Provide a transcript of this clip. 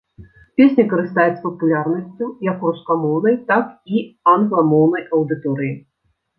Песня карыстаецца папулярнасцю, як у рускамоўнай, так і англамоўнай аўдыторыі.